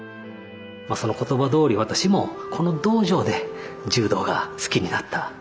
その言葉どおり私もこの道場で柔道が好きになった。